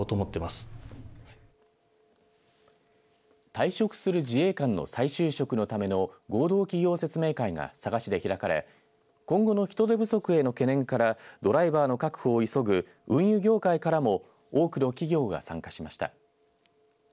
退職する自衛官の再就職のための合同企業説明会が佐賀市で開かれ今後の人手不足への懸念からドライバーの確保を急ぐ運輸業界からも多くの企業が参加しました。